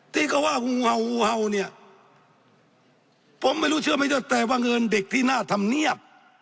ที่ก็ว่าเนี่ยผมไม่รู้เชื่อไม่เจอแต่ว่าเงินเด็กที่น่าทำเนียบ